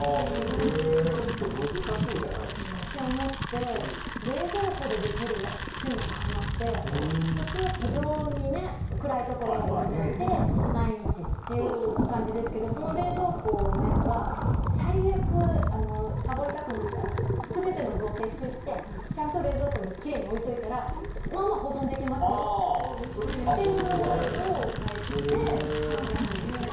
ちょっと難しいんじゃないですか？って思って冷蔵庫でできるやつを買いまして普通、常温の暗いところに置いておいて毎日っていう感じですけどその冷蔵庫のやつは最悪、さぼりたくなったら全ての具を撤収してちゃんと冷蔵庫にきれいに置いておいたらまあまあ保存できますよっていうやつを買って